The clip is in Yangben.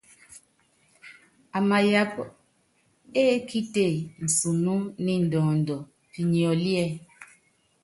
Amayapá ekíte nsunú ni ndɔɔndɔ pinyɔ́líɛ.